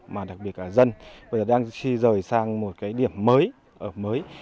mà đặc biệt là dân đang di rời sang một cái điểm mới ở mới